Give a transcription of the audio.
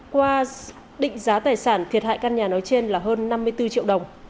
qua định giá tài sản thiệt hại căn nhà nói trên là hơn năm mươi bốn triệu đồng